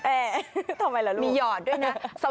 เอ๊ะทำไมล่ะลูกมีหยอดด้วยนะ